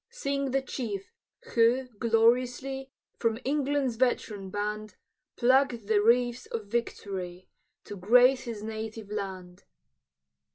Sing the chief, who, gloriously, From England's veteran band, Pluck'd the wreaths of victory, To grace his native land!